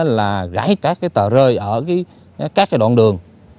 là gãi các tờ rơi ở các đoạn đường